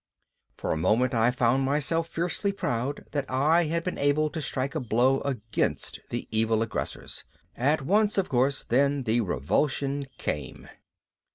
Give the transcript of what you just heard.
For a moment I found myself fiercely proud that I had been able to strike a blow against evil aggressors. At once, of course, then, the revulsion came.